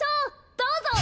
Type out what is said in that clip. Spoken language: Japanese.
どうぞ！